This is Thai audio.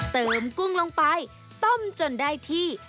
กุ้งลงไปต้มจนได้ที่